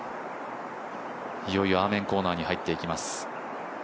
いよいよアーメンコーナーに入っていきます。